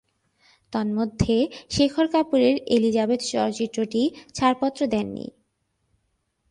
তন্মধ্যে শেখর কাপুরের এলিজাবেথ চলচ্চিত্রটির ছাড়পত্র দেননি।